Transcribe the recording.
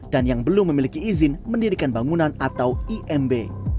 dan yang belum memiliki izin mendirikan bangunan atau imb